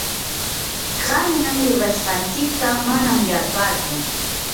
qanyan rurashqanchikta manam yarpatsu.